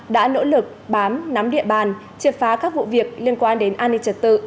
đã nỗ lực bám nắm địa bàn triệt phá các vụ việc liên quan đến an ninh trật tự